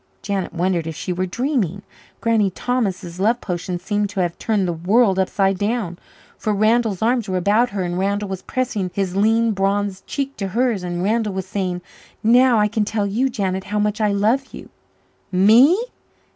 Janet wondered if she were dreaming. Granny Thomas' love potion seemed to have turned the world upside down. For Randall's arms were about her and Randall was pressing his lean bronzed cheek to hers and Randall was saying: "Now I can tell you, Janet, how much I love you." "Me?